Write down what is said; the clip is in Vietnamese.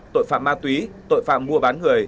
tội phạm ma túy tội phạm mua bán người